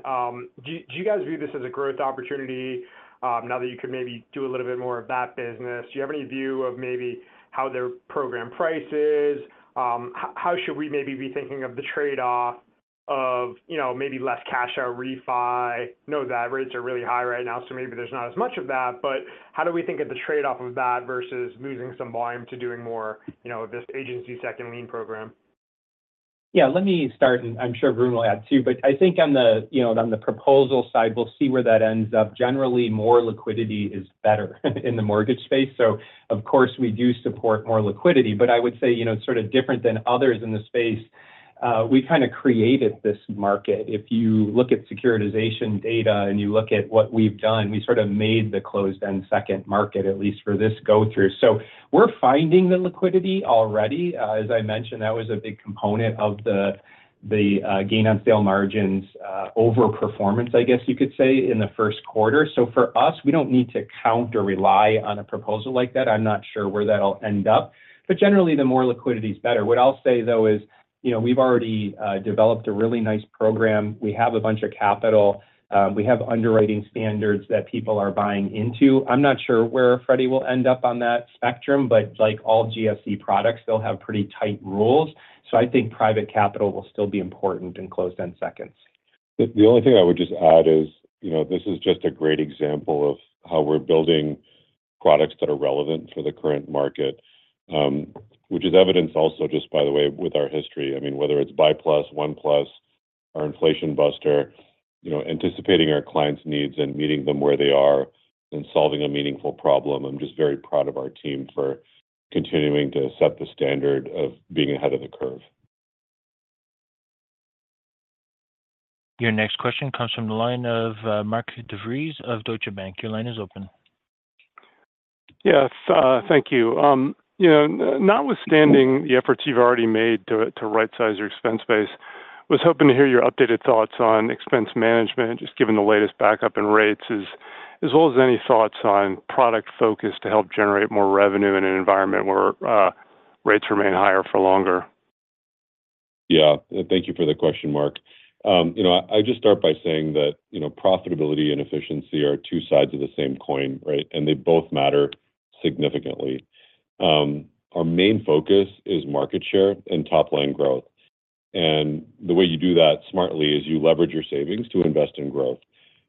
Do you guys view this as a growth opportunity now that you could maybe do a little bit more of that business? Do you have any view of maybe how their program price is? How should we maybe be thinking of the trade-off of maybe less cash-out refi? I know that rates are really high right now, so maybe there's not as much of that. But how do we think of the trade-off of that versus losing some volume to doing more of this agency second lien program?
Yeah, let me start, and I'm sure Varun will add too. But I think on the proposal side, we'll see where that ends up. Generally, more liquidity is better in the mortgage space. So of course, we do support more liquidity. But I would say it's sort of different than others in the space. We kind of created this market. If you look at securitization data and you look at what we've done, we sort of made the closed-end second market, at least for this go-through. So we're finding the liquidity already. As I mentioned, that was a big component of the gain on sale margins overperformance, I guess you could say, in the first quarter. So for us, we don't need to count or rely on a proposal like that. I'm not sure where that'll end up. But generally, the more liquidity is better. What I'll say, though, is we've already developed a really nice program. We have a bunch of capital. We have underwriting standards that people are buying into. I'm not sure where Freddie will end up on that spectrum, but like all GSE products, they'll have pretty tight rules. So I think private capital will still be important in closed-end seconds.
The only thing I would just add is this is just a great example of how we're building products that are relevant for the current market, which is evidenced also, just by the way, with our history. I mean, whether it's Buy Plus, ONE+, our Inflation Buster, anticipating our clients' needs and meeting them where they are and solving a meaningful problem. I'm just very proud of our team for continuing to set the standard of being ahead of the curve.
Your next question comes from the line of Mark DeVries of Deutsche Bank. Your line is open.
Yes, thank you. Notwithstanding the efforts you've already made to right-size your expense base, I was hoping to hear your updated thoughts on expense management, just given the latest back up in rates, as well as any thoughts on product focus to help generate more revenue in an environment where rates remain higher for longer.
Yeah, thank you for the question, Marc. I'd just start by saying that profitability and efficiency are two sides of the same coin, right? And they both matter significantly. Our main focus is market share and top-line growth. And the way you do that smartly is you leverage your savings to invest in growth.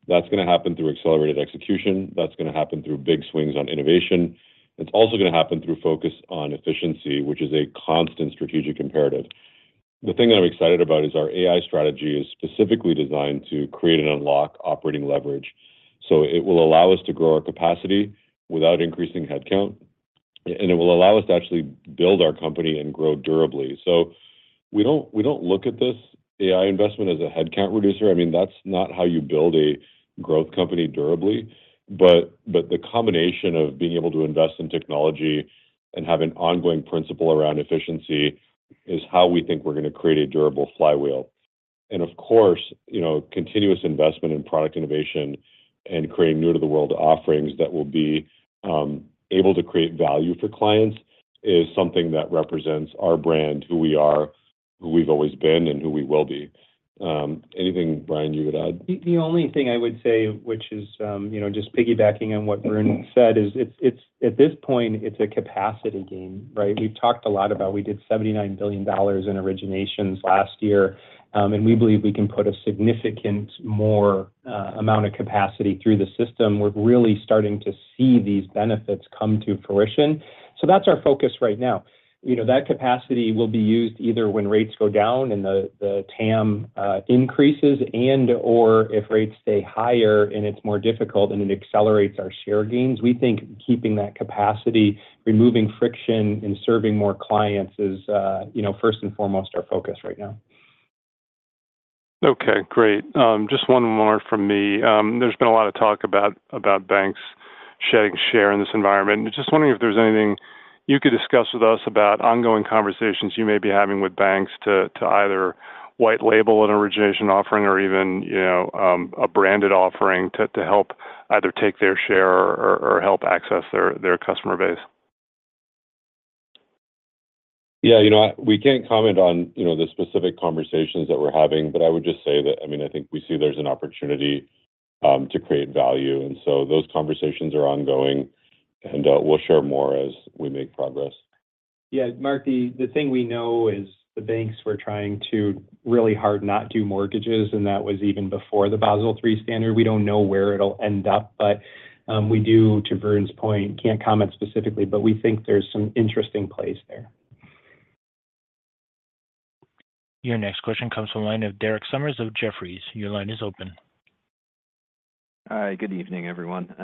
That's going to happen through accelerated execution. That's going to happen through big swings on innovation. It's also going to happen through focus on efficiency, which is a constant strategic imperative. The thing that I'm excited about is our AI strategy is specifically designed to create and unlock operating leverage. So it will allow us to grow our capacity without increasing headcount. And it will allow us to actually build our company and grow durably. So we don't look at this AI investment as a headcount reducer. I mean, that's not how you build a growth company durably. But the combination of being able to invest in technology and have an ongoing principle around efficiency is how we think we're going to create a durable flywheel. And of course, continuous investment in product innovation and creating new-to-the-world offerings that will be able to create value for clients is something that represents our brand, who we are, who we've always been, and who we will be. Anything, Brian, you would add?
The only thing I would say, which is just piggybacking on what Varun said, is at this point, it's a capacity gain, right? We've talked a lot about we did $79 billion in originations last year, and we believe we can put a significant more amount of capacity through the system. We're really starting to see these benefits come to fruition. So that's our focus right now. That capacity will be used either when rates go down and the TAM increases and/or if rates stay higher and it's more difficult and it accelerates our share gains. We think keeping that capacity, removing friction, and serving more clients is first and foremost our focus right now.
Okay, great. Just one more from me. There's been a lot of talk about banks shedding share in this environment. Just wondering if there's anything you could discuss with us about ongoing conversations you may be having with banks to either white-label an origination offering or even a branded offering to help either take their share or help access their customer base?
Yeah, we can't comment on the specific conversations that we're having, but I would just say that, I mean, I think we see there's an opportunity to create value. And so those conversations are ongoing, and we'll share more as we make progress.
Yeah, Marc, the thing we know is the banks were trying really hard not to do mortgages, and that was even before the Basel III standard. We don't know where it'll end up, but we do, to Varun's point, can't comment specifically, but we think there's some interesting place there.
Your next question comes from the line of Derek Sommers of Jefferies. Your line is open.
Hi, good evening, everyone.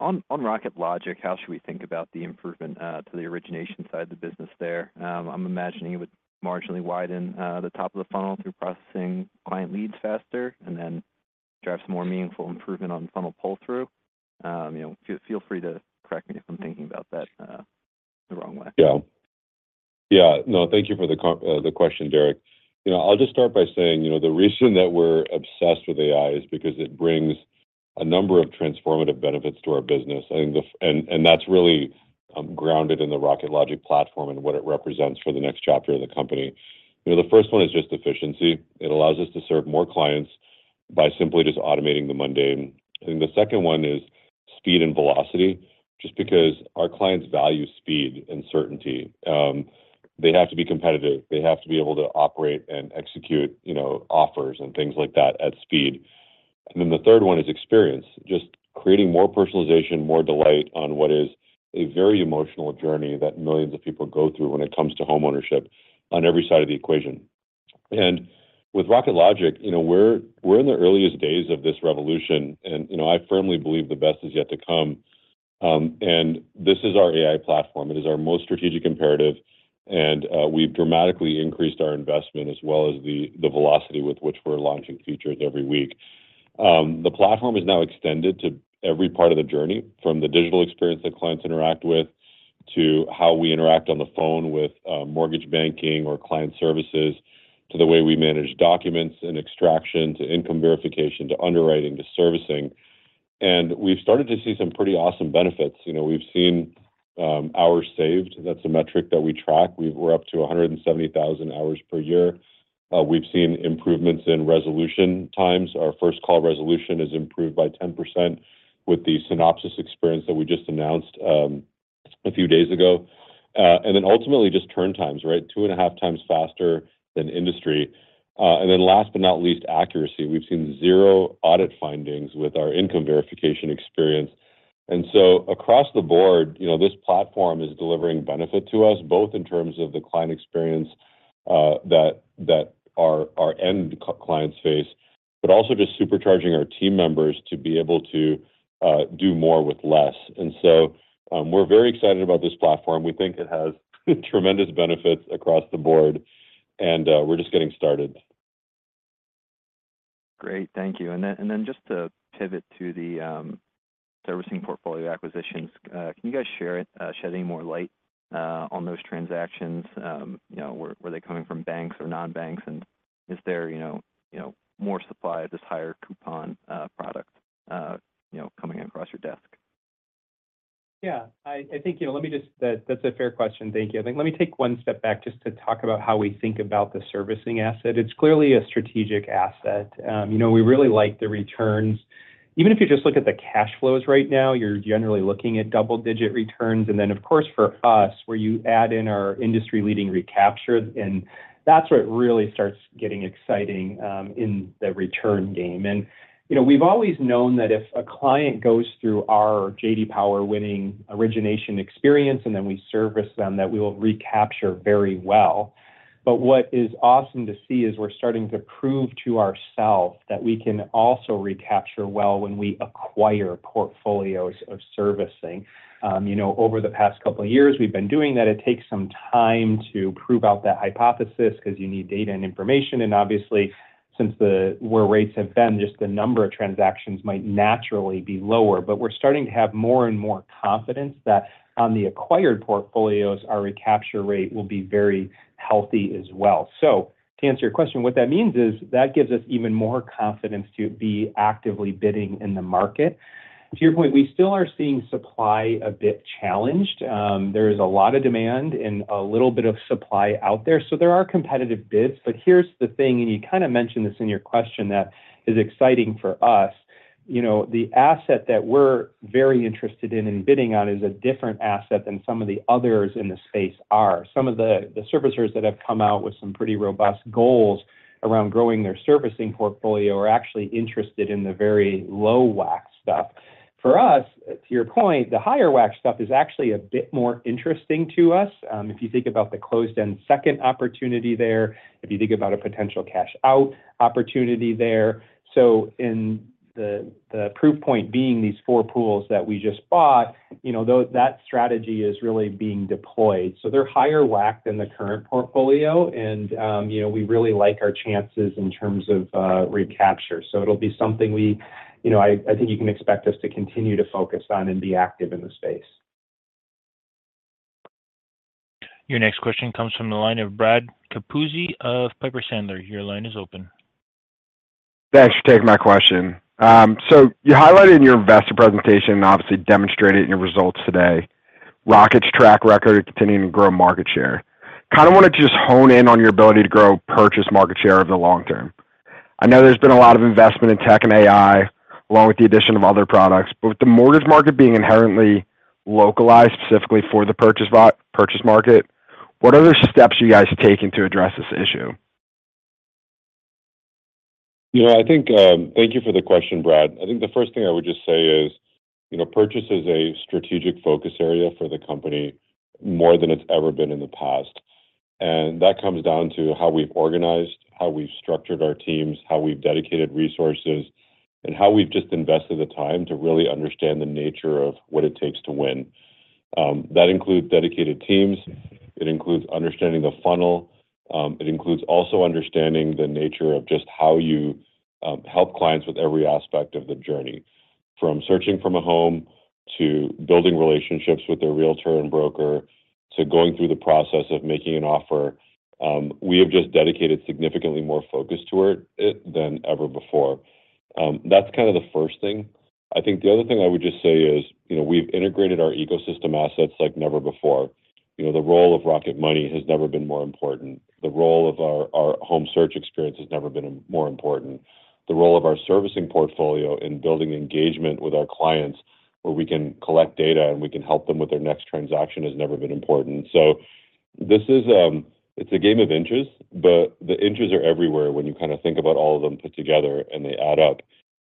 On Rocket Logic, how should we think about the improvement to the origination side of the business there? I'm imagining it would marginally widen the top of the funnel through processing client leads faster and then drive some more meaningful improvement on funnel pull-through. Feel free to correct me if I'm thinking about that the wrong way.
Yeah. Yeah, no, thank you for the question, Derek. I'll just start by saying the reason that we're obsessed with AI is because it brings a number of transformative benefits to our business. And that's really grounded in the Rocket Logic platform and what it represents for the next chapter of the company. The first one is just efficiency. It allows us to serve more clients by simply just automating the mundane. I think the second one is speed and velocity, just because our clients value speed and certainty. They have to be competitive. They have to be able to operate and execute offers and things like that at speed. And then the third one is experience, just creating more personalization, more delight on what is a very emotional journey that millions of people go through when it comes to homeownership on every side of the equation. With Rocket Logic, we're in the earliest days of this revolution, and I firmly believe the best is yet to come. This is our AI platform. It is our most strategic imperative, and we've dramatically increased our investment as well as the velocity with which we're launching features every week. The platform is now extended to every part of the journey, from the digital experience that clients interact with to how we interact on the phone with mortgage banking or client services, to the way we manage documents and extraction to income verification to underwriting to servicing. We've started to see some pretty awesome benefits. We've seen hours saved. That's a metric that we track. We're up to 170,000 hours per year. We've seen improvements in resolution times. Our first-call resolution is improved by 10% with the Synopsis experience that we just announced a few days ago. Then ultimately, just turn times, right? 2.5 times faster than industry. Last but not least, accuracy. We've seen 0 audit findings with our income verification experience. So across the board, this platform is delivering benefit to us, both in terms of the client experience that our end clients face, but also just supercharging our team members to be able to do more with less. So we're very excited about this platform. We think it has tremendous benefits across the board, and we're just getting started.
Great, thank you. Then just to pivot to the servicing portfolio acquisitions, can you guys shed any more light on those transactions? Were they coming from banks or non-banks? And is there more supply of this higher coupon product coming across your desk?
Yeah, I think let me just, that's a fair question. Thank you. I think let me take one step back just to talk about how we think about the servicing asset. It's clearly a strategic asset. We really like the returns. Even if you just look at the cash flows right now, you're generally looking at double-digit returns. And then, of course, for us, where you add in our industry-leading recapture, and that's where it really starts getting exciting in the return game. And we've always known that if a client goes through our J.D. Power winning origination experience and then we service them, that we will recapture very well. But what is awesome to see is we're starting to prove to ourselves that we can also recapture well when we acquire portfolios of servicing. Over the past couple of years, we've been doing that. It takes some time to prove out that hypothesis because you need data and information. And obviously, since where rates have been, just the number of transactions might naturally be lower. But we're starting to have more and more confidence that on the acquired portfolios, our recapture rate will be very healthy as well. So to answer your question, what that means is that gives us even more confidence to be actively bidding in the market. To your point, we still are seeing supply a bit challenged. There is a lot of demand and a little bit of supply out there. So there are competitive bids. But here's the thing, and you kind of mentioned this in your question that is exciting for us. The asset that we're very interested in and bidding on is a different asset than some of the others in the space are. Some of the servicers that have come out with some pretty robust goals around growing their servicing portfolio are actually interested in the very low-WAC stuff. For us, to your point, the higher-WAC stuff is actually a bit more interesting to us. If you think about the closed-end second opportunity there, if you think about a potential cash-out opportunity there. So the proof point being these four pools that we just bought, that strategy is really being deployed. So they're higher-WAC than the current portfolio, and we really like our chances in terms of recapture. So it'll be something I think you can expect us to continue to focus on and be active in the space.
Your next question comes from the line of Brad Capuzzi of Piper Sandler. Your line is open.
Thanks for taking my question. You highlighted in your investor presentation and obviously demonstrated in your results today, Rocket's track record of continuing to grow market share. Kind of wanted to just hone in on your ability to grow purchase market share over the long term. I know there's been a lot of investment in tech and AI along with the addition of other products, but with the mortgage market being inherently localized specifically for the purchase market, what other steps are you guys taking to address this issue?
Yeah, I think thank you for the question, Brad. I think the first thing I would just say is purchase is a strategic focus area for the company more than it's ever been in the past. That comes down to how we've organized, how we've structured our teams, how we've dedicated resources, and how we've just invested the time to really understand the nature of what it takes to win. That includes dedicated teams. It includes understanding the funnel. It includes also understanding the nature of just how you help clients with every aspect of the journey, from searching for a home to building relationships with their realtor and broker to going through the process of making an offer. We have just dedicated significantly more focus to it than ever before. That's kind of the first thing. I think the other thing I would just say is we've integrated our ecosystem assets like never before. The role of Rocket Money has never been more important. The role of our home search experience has never been more important. The role of our servicing portfolio in building engagement with our clients, where we can collect data and we can help them with their next transaction, has never been important. So it's a game of interests, but the interests are everywhere when you kind of think about all of them put together and they add up.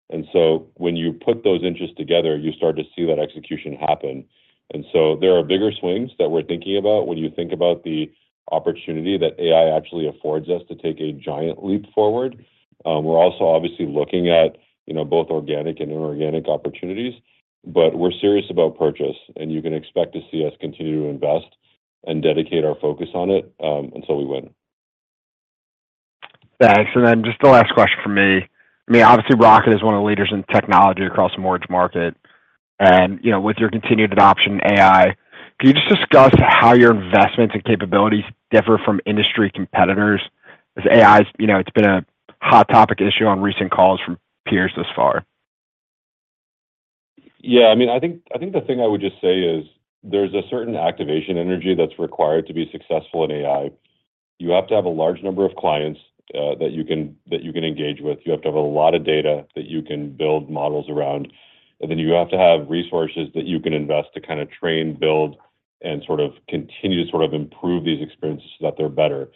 And so when you put those interests together, you start to see that execution happen. And so there are bigger swings that we're thinking about when you think about the opportunity that AI actually affords us to take a giant leap forward. We're also obviously looking at both organic and inorganic opportunities, but we're serious about purchase, and you can expect to see us continue to invest and dedicate our focus on it until we win.
Thanks. Then just the last question from me. I mean, obviously, Rocket is one of the leaders in technology across the mortgage market. With your continued adoption of AI, can you just discuss how your investments and capabilities differ from industry competitors? Because AI, it's been a hot topic issue on recent calls from peers thus far.
Yeah, I mean, I think the thing I would just say is there's a certain activation energy that's required to be successful in AI. You have to have a large number of clients that you can engage with. You have to have a lot of data that you can build models around. And then you have to have resources that you can invest to kind of train, build, and sort of continue to sort of improve these experiences so that they're better.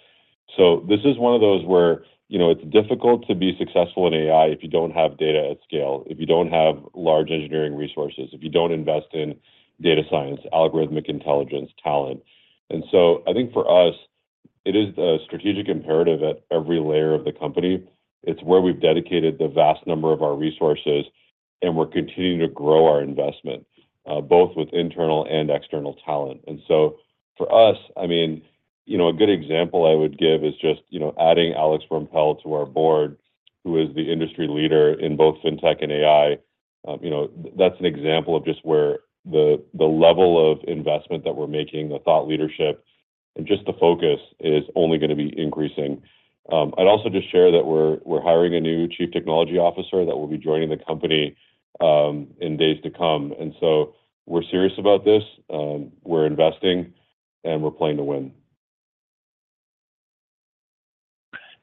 So this is one of those where it's difficult to be successful in AI if you don't have data at scale, if you don't have large engineering resources, if you don't invest in data science, algorithmic intelligence, talent. And so I think for us, it is the strategic imperative at every layer of the company. It's where we've dedicated the vast number of our resources, and we're continuing to grow our investment, both with internal and external talent. And so for us, I mean, a good example I would give is just adding Alex Rampell to our board, who is the industry leader in both fintech and AI. That's an example of just where the level of investment that we're making, the thought leadership, and just the focus is only going to be increasing. I'd also just share that we're hiring a new chief technology officer that will be joining the company in days to come. And so we're serious about this. We're investing, and we're playing to win.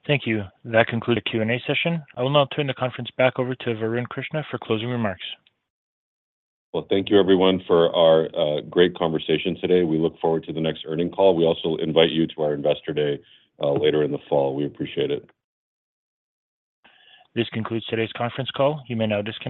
Thank you. That concludes our Q&A session. I will now turn the conference back over to Varun Krishna for closing remarks.
Well, thank you, everyone, for our great conversation today. We look forward to the next earnings call. We also invite you to our investor day later in the fall. We appreciate it.
This concludes today's conference call. You may now disconnect.